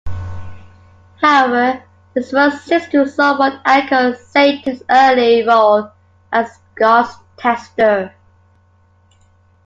However, this verse seems to somewhat echo Satan's early role as God's tester.